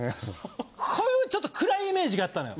こういうちょっと暗いイメージがあったのよ。